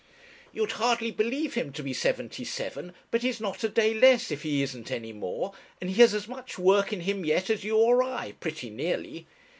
You'd hardly believe him to be seventy seven, but he's not a day less, if he isn't any more; and he has as much work in him yet as you or I, pretty nearly.